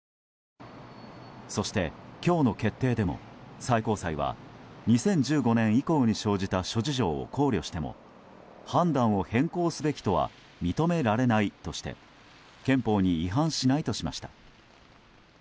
そして、今日の決定でも最高裁は２０１５年以降に生じた諸事情を考慮しても判断を変更すべきとは認められないとして憲法に違反しないとしました。